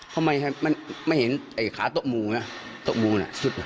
เขาไม่ให้มันไม่เห็นไอขาโต๊ะมูน่ะโต๊ะมูน่ะสุด